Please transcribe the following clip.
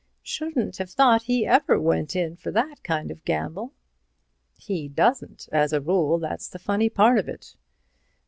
"Shouldn't have thought he ever went in for that kind of gamble." "He doesn't as a rule. That's the funny part of it."